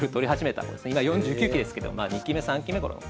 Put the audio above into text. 今４９期ですけどまあ２期目３期目ごろの。